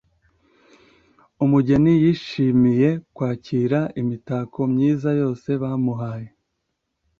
umugeni yishimiye kwakira imitako myiza yose bamuhaye.